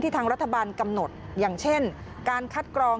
ทางรัฐบาลกำหนดอย่างเช่นการคัดกรอง